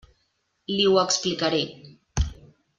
Li ho explicaré.